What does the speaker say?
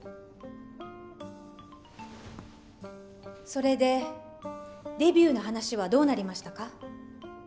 それでデビューの話はどうなりましたか？